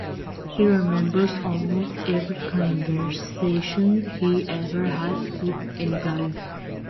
He remembers almost every conversation he ever had with anybody.